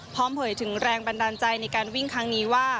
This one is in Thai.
เผยถึงแรงบันดาลใจในการวิ่งครั้งนี้ว่า